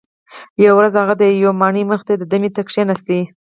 یوه ورځ هغه د یوې ماڼۍ مخې ته دمې ته کښیناست.